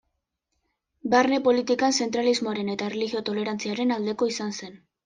Barne-politikan, zentralismoaren eta erlijio-tolerantziaren aldeko izan zen.